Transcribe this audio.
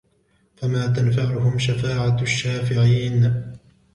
فَمَا تَنْفَعُهُمْ شَفَاعَةُ الشَّافِعِينَ